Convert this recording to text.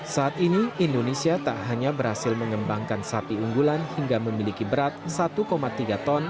saat ini indonesia tak hanya berhasil mengembangkan sapi unggulan hingga memiliki berat satu tiga ton